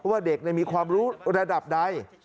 ว่าเด็กมีความรู้ระดับใด